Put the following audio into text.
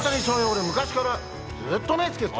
俺昔からずっと目つけてた！